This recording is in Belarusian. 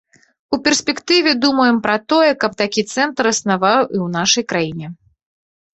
У перспектыве думаем пра тое, каб такі цэнтр існаваў і ў нашай краіне.